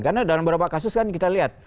karena dalam beberapa kasus kan kita lihat